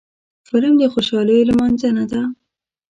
فلم د خوشحالیو لمانځنه ده